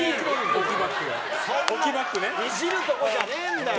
イジるところじゃねえんだよ！